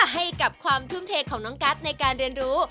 ให้กับความทุ่มเทของน้องกัสในการเรียนรู้